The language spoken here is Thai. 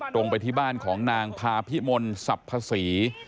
ตรงไปที่บ้านของนางพาพิมลสับพระศรี